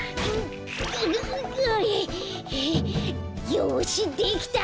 よしできた！